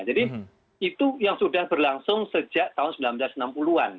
itu yang sudah berlangsung sejak tahun seribu sembilan ratus enam puluh an